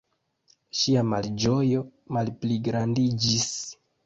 Ŝia malĝojo malpligrandiĝis.